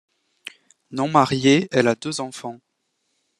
Non mariée, elle a deux enfants.